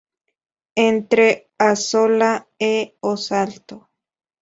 Entre a sola e o salto.